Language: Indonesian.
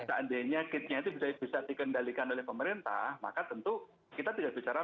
seandainya kitnya itu bisa dikendalikan oleh pemerintah maka tentu kita tidak bicara